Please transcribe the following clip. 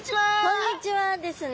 こんにちはですね。